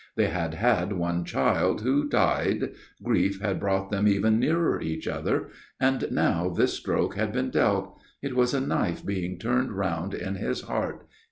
They had had one child, who died. Grief had brought them even nearer each other. And now this stroke had been dealt. It was a knife being turned round in his heart.